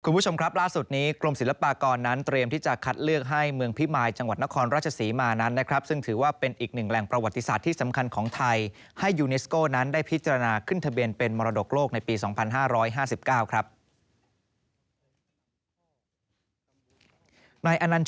คุณผู้ชมครับล่าสุดนี้กรมศิลปากรนั้นเตรียมที่จะคัดเลือกให้เมืองพิมายจังหวัดนครราชศรีมานั้นนะครับซึ่งถือว่าเป็นอีกหนึ่งแหล่งประวัติศาสตร์ที่สำคัญของไทยให้ยูเนสโก้นั้นได้พิจารณาขึ้นทะเบียนเป็นมรดกโลกในปี๒๕๕๙ครับ